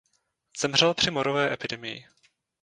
Zemřel při morové epidemii.